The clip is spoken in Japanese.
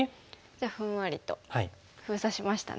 じゃあふんわりと封鎖しましたね。